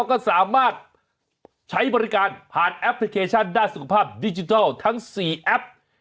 ก็สามารถใช้บริการผ่านแอปพลิเคชันด้านสุขภาพดิจิทัลทั้ง๔แอป